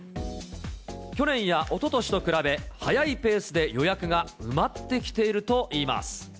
去年やおととしと比べ、早いペースで予約が埋まってきているといいます。